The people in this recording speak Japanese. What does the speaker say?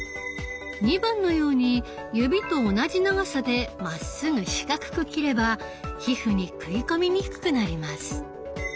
２番のように指と同じ長さでまっすぐ四角く切れば皮膚に食い込みにくくなります。